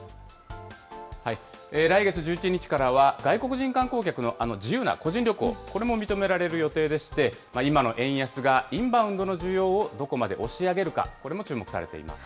来月１１日からは、外国人観光客の自由な個人旅行、これも認められる予定でして、今の円安がインバウンドの需要をどこまで押し上げるか、これも注目されています。